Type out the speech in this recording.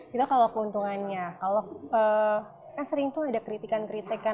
kita kalau keuntungannya kalau kan sering tuh ada kritikan kritikan